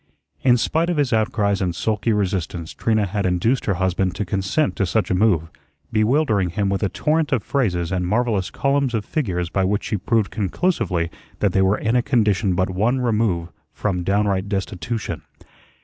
In spite of his outcries and sulky resistance Trina had induced her husband to consent to such a move, bewildering him with a torrent of phrases and marvellous columns of figures by which she proved conclusively that they were in a condition but one remove from downright destitution.